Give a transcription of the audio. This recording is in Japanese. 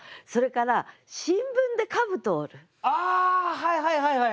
はいはいはいはい。